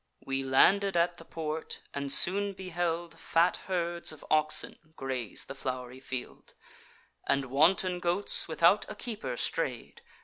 "We landed at the port, and soon beheld Fat herds of oxen graze the flow'ry field, And wanton goats without a keeper stray'd.